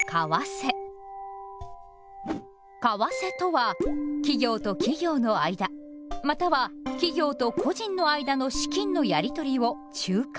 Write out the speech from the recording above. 「為替」とは企業と企業の間または企業と個人の間の資金のやりとりを仲介することです。